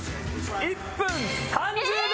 １分３０秒！